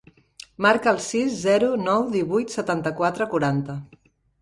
Marca el sis, zero, nou, divuit, setanta-quatre, quaranta.